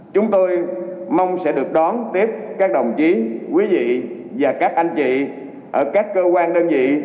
chúng tôi mong sẽ được đón tiếp các đồng chí quý vị và các anh chị ở các cơ quan đơn vị